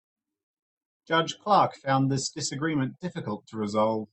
Judge Clark found this disagreement difficult to resolve.